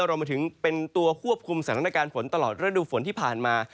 รวมไปถึงเป็นตัวควบคุมสถานการณ์ฝนตลอดฤดูฝนที่ผ่านมา